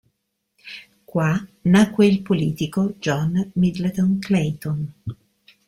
Qua nacque il politico John Middleton Clayton.